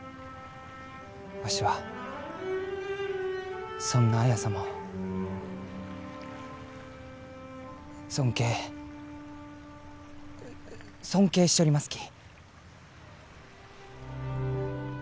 わしはそんな綾様を尊敬尊敬しちょりますき。